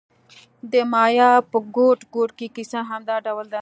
د مایا په ګوټ ګوټ کې کیسه همدا ډول ده.